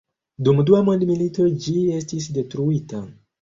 Dum Dua mondmilito ĝi estis detruita.